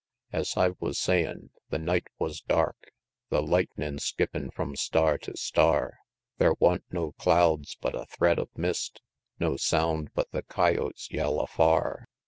Es I wus sayin', the night wus dark, The lightnin' skippin' from star to star; Thar wa'n't no clouds but a thread of mist, No sound but the coyotes yell afar, XIX.